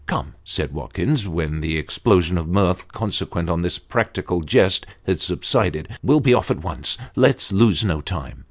" Come," said Watkins, when the explosion of mirth, consequent on this practical jest, had subsided, " we'll be off at once let's lose no time."